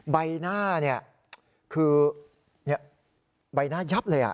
ใบหน้าเนี่ยคือเนี่ยใบหน้ายับเลยอ่ะ